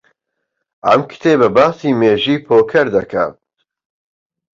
ئەم کتێبە باسی مێژووی پۆکەر دەکات.